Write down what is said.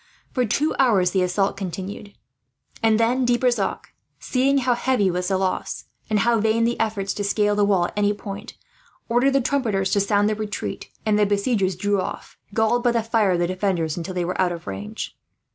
For two hours the assault continued, and then De Brissac, seeing how heavy was the loss, and how vain the efforts to scale the wall at any point, ordered the trumpeters to sound the retreat; when the besiegers drew off, galled by the fire of the defenders until they were out of range.